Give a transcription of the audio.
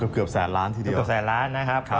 เกือบแสนล้านทีเดียวกับแสนล้านนะครับ